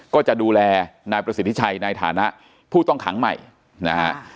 ก็จะดูแลนายประสิทธิชัยในฐานะผู้ต้องขังใหม่นะฮะ